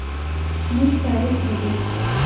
موږ تاریخ لرو.